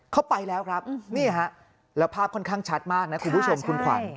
เข้าไปแล้วครับนี่ฮะแล้วภาพค่อนข้างชัดมากนะคุณผู้ชมคุณขวัญ